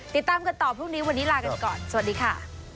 ติดตามกันต่อพรุ่งนี้วันนี้ลากันก่อนสวัสดีค่ะ